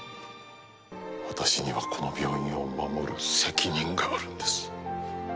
私にはこの病院を守る責任があるんです。